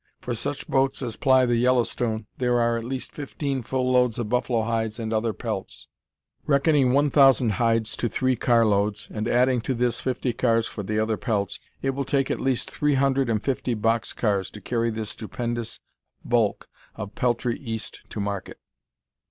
For such boats as ply the Yellowstone there are at least fifteen full loads of buffalo hides and other pelts. Reckoning one thousand hides to three car loads, and adding to this fifty cars for the other pelts, it will take at least three hundred and fifty box cars to carry this stupendous bulk of peltry East to market.